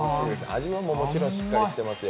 味ももちろんしっかりしてますね。